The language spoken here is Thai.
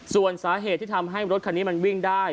ส่วนสาเหตุที่ทำให้รถคันนี้มันวิ่งได้